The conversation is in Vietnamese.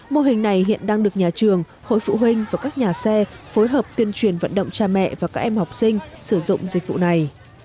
mô hình này hiện đang được nhà trường hội phụ huynh và các nhà xe phối hợp tuyên truyền vận động cha mẹ và các em học sinh sử dụng dịch vụ này